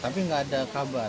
tapi nggak ada kabar